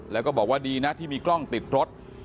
แล้วก็บอกว่าดีนะที่มีกล้องติดรถ